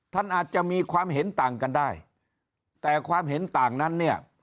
ท่านอาจจะมีความเห็นต่างกันได้แต่ความเห็นต่างนั้นเนี่ย